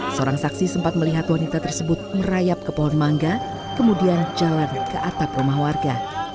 seorang saksi sempat melihat wanita tersebut merayap ke pohon mangga kemudian jalan ke atap rumah warga